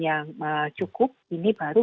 yang cukup ini baru